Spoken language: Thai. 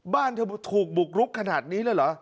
บ้านเธอถูกบุกรุกขนาดนี้เลยเหรอ